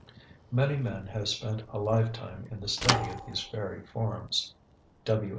Many men have spent a lifetime in the study of these fairy forms. W.